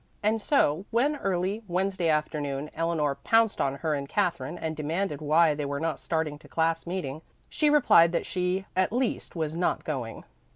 And so when early Wednesday afternoon Eleanor pounced on her and Katherine and demanded why they were not starting to class meeting, she replied that she at least was not going.